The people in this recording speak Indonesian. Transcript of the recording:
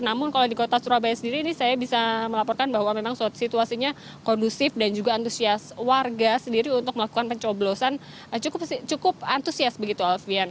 namun kalau di kota surabaya sendiri ini saya bisa melaporkan bahwa memang situasinya kondusif dan juga antusias warga sendiri untuk melakukan pencoblosan cukup antusias begitu alfian